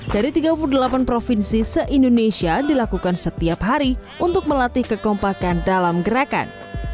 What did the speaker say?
dari tiga puluh delapan provinsi se indonesia dilakukan setiap hari untuk melatih kekompakan dalam gerakan